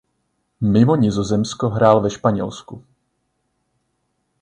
Mimo Nizozemsko hrál ve Španělsku.